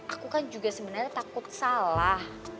aku kan juga sebenarnya takut salah